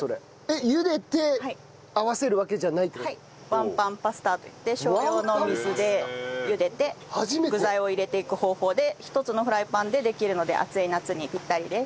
ワンパンパスタといって少量の水で茹でて具材を入れていく方法で１つのフライパンでできるので暑い夏にぴったりです。